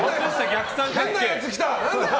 変なやつ来た！